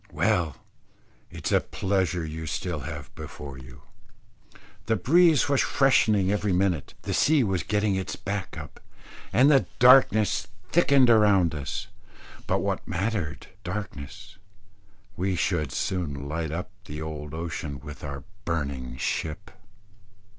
Well, it is a pleasure you still have before you. The breeze was freshening every minute, the sea was getting its back up, and darkness thickening around us. But what mattered darkness, we should soon light up old ocean with our burning ship.